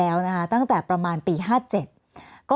แอนตาซินเยลโรคกระเพาะอาหารท้องอืดจุกเสียดแสบร้อน